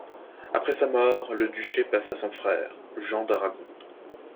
Après sa mort le duché passe à son frère, Jean d'Aragon.